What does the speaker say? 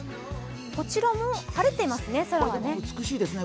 こちらも晴れていますね、空はね。